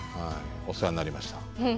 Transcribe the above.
お世話になりました。